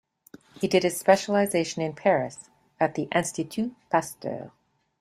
He did his specialization in Paris at the Institut Pasteur.